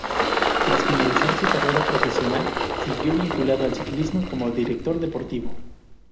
Tras finalizar su carrera profesional siguió vinculado al ciclismo como director deportivo.